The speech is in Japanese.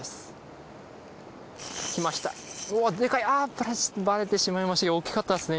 バレバレてしまいましたけど大きかったですね